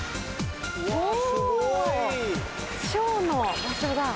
ショーの場所だ。